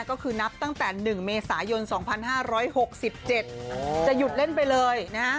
ก็คือนับตั้งแต่๑เมษายน๒๕๖๗จะหยุดเล่นไปเลยนะฮะ